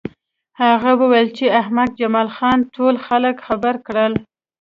هغه وویل چې احمق جمال خان ټول خلک خبر کړل